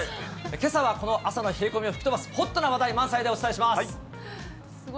けさは、この朝の冷え込みを吹き飛ばすホットな話題満載でお伝えします。